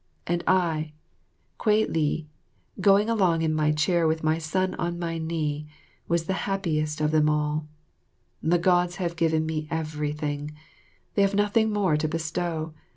And I, Kwei li, going along in my chair with my son on my knee, was the happiest of them all. The Gods have given me everything; they have nothing more to bestow.